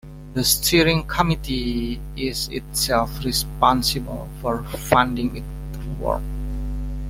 The Steering Committee is itself responsible for funding its work.